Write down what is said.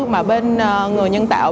mà bên người nhân tạo